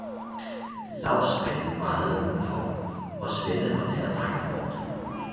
Lavsfanen vajede udenfor og svende og læredrenge råbte.